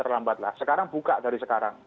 terlambat lah sekarang buka dari sekarang